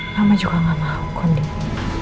mama juga gak mau kondisi